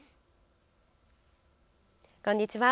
こんにちは。